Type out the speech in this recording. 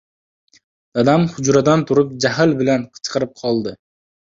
Dadam hujradan turib jahl bilan qichqirib qoldi: